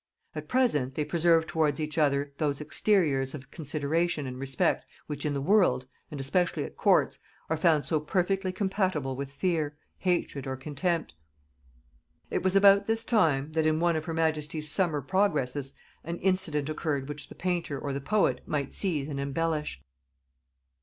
At present they preserved towards each other those exteriors of consideration and respect which in the world, and especially at courts, are found so perfectly compatible with fear, hatred, or contempt. It was about this time, that in one of her majesty's summer progresses an incident occurred which the painter or the poet might seize and embellish.